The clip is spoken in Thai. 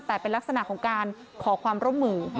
แต่เป็นลักษณะของการขอความร่วมมือ